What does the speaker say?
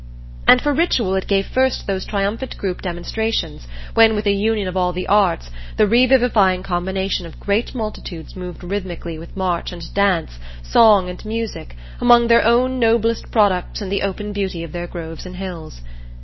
And for ritual it gave first those triumphant group demonstrations, when with a union of all the arts, the revivifying combination of great multitudes moved rhythmically with march and dance, song and music, among their own noblest products and the open beauty of their groves and hills.